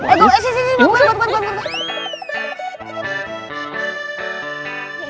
eh si si si buat buat buat